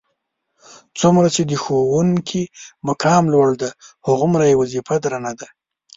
څومره چې د ښوونکي مقام لوړ دی هغومره یې وظیفه درنه ده.